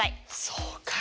そうか。